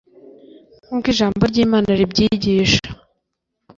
Nk uko ijambo ry imana ribyigisha